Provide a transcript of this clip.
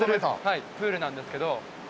はいプールなんですけど。